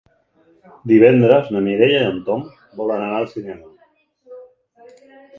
Divendres na Mireia i en Tom volen anar al cinema.